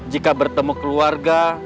jika bertemu keluarga